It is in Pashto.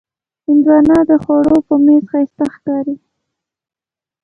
هندوانه د خوړو پر میز ښایسته ښکاري.